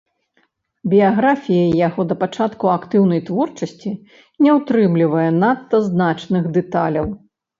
Біяграфія яго да пачатку актыўнай творчасці не ўтрымлівае надта значных дэталяў.